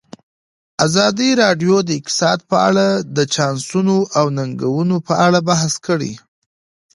ازادي راډیو د اقتصاد په اړه د چانسونو او ننګونو په اړه بحث کړی.